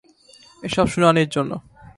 এসব শুনানির জন্য।